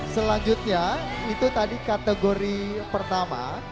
selanjutnya itu tadi kategori pertama